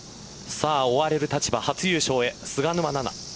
追われる立場初優勝へ菅沼菜々。